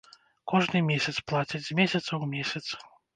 Кожны месяц плацяць, з месяца ў месяц.